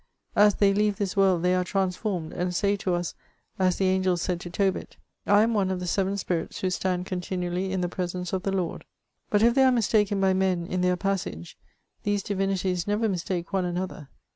As they leave this world th^ are transformed, and say to us, as the angel said to Tobit, '' I am one of the seven spirits who stand continually in the presence of the Lord.^ But if they are mistaken by men, in their passage, these divinities never mistake one another.